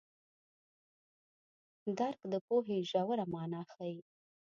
درک د پوهې ژوره مانا ښيي.